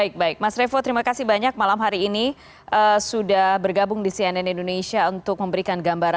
kita sama sama datang ke tps untuk memberikan suara